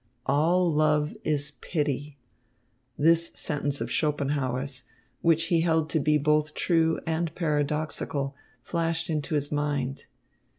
"All love is pity." This sentence of Schopenhauer's, which he held to be both true and paradoxical, flashed into his mind.